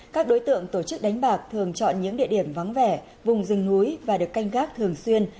các đối tượng tổ chức đánh bạc thường chọn những địa điểm vắng vẻ vùng rừng núi và được canh gác thường xuyên